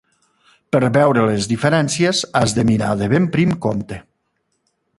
Per veure les diferències has de mirar ben de prim compte.